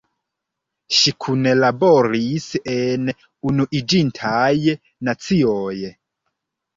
Ŝi kunlaboris en Unuiĝintaj Nacioj.